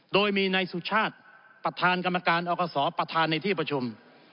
โดยมีในสุชาติประธานกรรมการออกข้อสอบประธานในที่ประชุม